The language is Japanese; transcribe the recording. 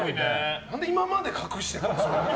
何で今まで隠してたの？